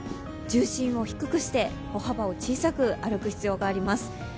重心を低くして、歩幅を小さく歩く必要があります。